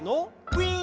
「ウィン！」